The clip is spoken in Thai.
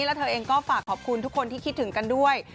แล้วเธอเองก็ฝากขอบคุณทุกคนที่คิดถึงกันด้วย